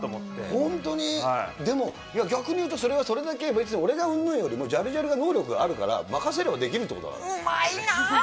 本当に、でも逆に言うと、それはそれだけ、別に俺がうんぬんよりも、ジャルジャルが能力があるから、任せればできるってことだから。